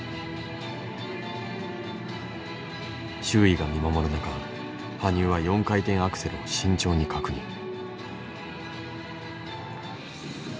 周囲が見守る中羽生は４回転アクセルを慎重に確認。